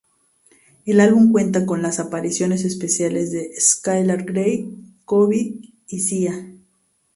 El álbum cuenta con las apariciones especiales de Skylar Grey, Kobe y Sia.